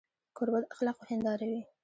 کوربه د اخلاقو هنداره وي.